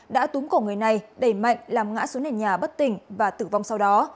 đã túm cổ người này đẩy mạnh làm ngã xuống nền nhà bất tỉnh và tử vong sau đó